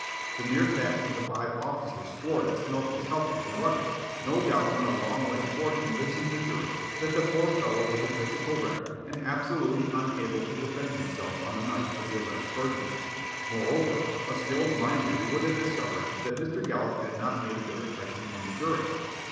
The mere fact that the five officers swore that Smilk was healthy and rugged no doubt went a long way toward convincing the jury that the poor fellow was a physical wreck and absolutely unable to defend himself on the night of the alleged burglary. Moreover, a skilled mind reader would have discovered that Mr. Yollop had not made a good impression on the jury.